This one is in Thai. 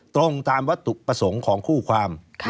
ตรงตามวัตถุประสงค์ของคู่ความ